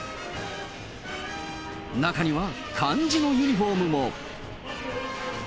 中には漢字のユニホームも。